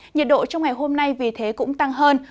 nhiệt độ trong ngày hôm nay vì thế cũng tăng hơn